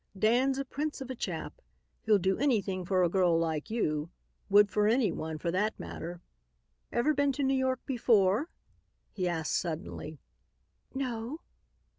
Dan's a prince of a chap. He'll do anything for a girl like you; would for anyone, for that matter. Ever been to New York before?" he asked suddenly. "No."